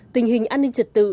tình hình an ninh trật tự